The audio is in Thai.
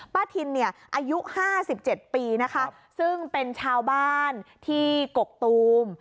ทินเนี่ยอายุ๕๗ปีนะคะซึ่งเป็นชาวบ้านที่กกตูม